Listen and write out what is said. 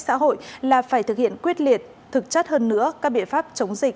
xã hội là phải thực hiện quyết liệt thực chất hơn nữa các biện pháp chống dịch